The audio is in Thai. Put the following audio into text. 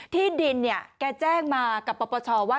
ที่ดินเนี่ยแกแจ้งมากับปปชว่า